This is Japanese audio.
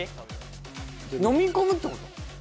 飲み込むってこと？